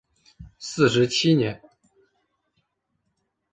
四十七年。